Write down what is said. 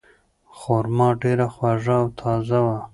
خورما ډیره خوږه او تازه وه.